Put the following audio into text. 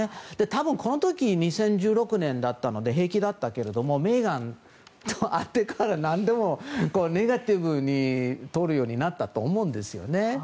多分この時２０１６年だったので平気だったけれどもメーガンと会ってから何でもネガティブにとるようになったと思うんですよね。